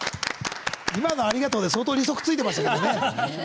今の「ありがとう」で相当、利息がついてますね。